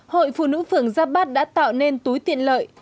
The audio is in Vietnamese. hội phụ nữ phường giáp bát đã tạo nên túi tiện lợi